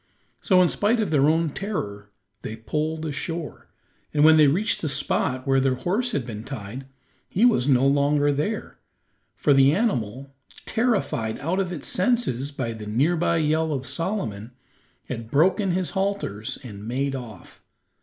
So, in spite of their own terror, they poled ashore, and when they reached the spot where their horse had been tied he was no longer there, for the animal, terrified out of its senses by the near by yell of Solomon, had broken his halters and made off.